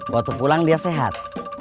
waktu pulang dia sehat